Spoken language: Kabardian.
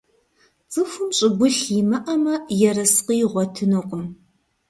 ЦӀыхум щӀыгулъ имыӀэмэ, ерыскъы игъуэтынукъым.